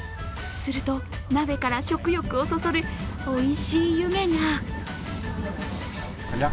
すると、鍋から食欲をそそる、おいしい湯気が。